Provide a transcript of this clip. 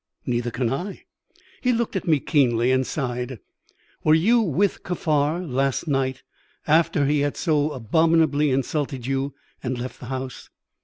"Neither can I." He looked at me keenly and sighed. "Were you with Kaffar last night after he had so abominably insulted you and left the house?"